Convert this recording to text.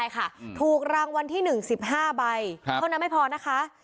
กำลังวันที่๑๑๕ใบเท่านั้นไม่พอนะคะ